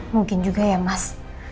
mungkin juga ya mas